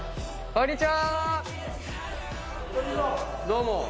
どうも。